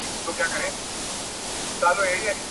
دپولادو مړوندونه ..